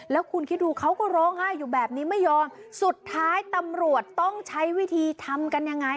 แล้วคุณคิดดูเขาก็ร้องไห้อยู่แบบนี้ไม่ยอมสุดท้ายตำรวจต้องใช้วิธีทำกันยังไง